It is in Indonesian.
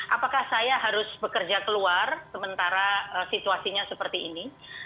apakah saya harus bekerja keluar sementara situasinya seperti ini